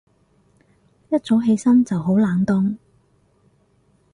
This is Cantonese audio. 一早起身就好冷凍